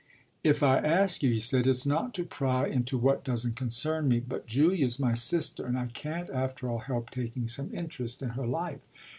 "If I ask you," he said, "it's not to pry into what doesn't concern me; but Julia's my sister, and I can't after all help taking some interest in her life.